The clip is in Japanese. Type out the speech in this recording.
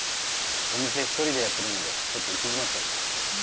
お店一人でやってるのでちょっと行き詰まっちゃって。